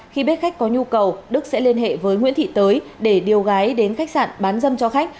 khi biết khách có nhu cầu đức sẽ liên hệ với nguyễn thị tới để điều gái đến khách sạn bán dâm cho khách